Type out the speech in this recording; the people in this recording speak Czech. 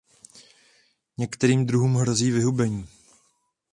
Některým druhům hrozí vyhubení.